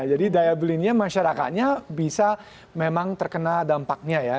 jadi daya belinya masyarakatnya bisa memang terkena dampaknya ya